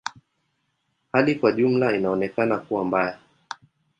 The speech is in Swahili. Hali kwa ujumla inaonekana kuwa mbaya.